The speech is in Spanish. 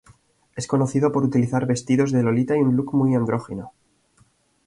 Es conocido por utilizar vestidos de lolita y un look muy andrógino.